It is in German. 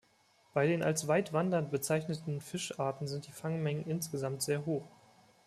Bei den als weit wandernd bezeichneten Fischarten sind die Fangmengen insgesamt sehr hoch.